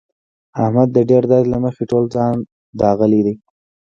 احمد د ډېر درد له مخې ټول ځان داغلی دی.